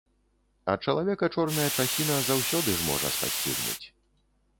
А чалавека чорная часіна заўсёды ж можа спасцігнуць.